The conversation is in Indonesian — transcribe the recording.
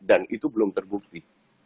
dan itu belum terbukti